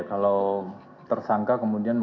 kalau tersangka kemudian